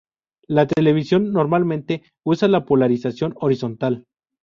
La televisión normalmente usa la polarización horizontal.